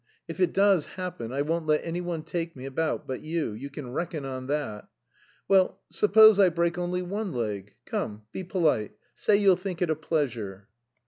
"If it does happen I won't let anyone take me about but you, you can reckon on that.... Well, suppose I break only one leg. Come, be polite, say you'll think it a pleasure."